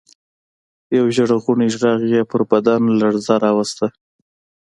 يوه ژړغوني غږ يې پر بدن لړزه راوسته.